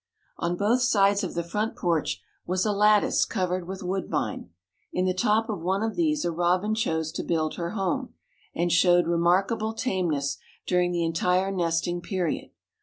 On both sides of the front porch was a lattice covered with woodbine. In the top of one of these a robin chose to build her home, and showed remarkable tameness during the entire nesting period.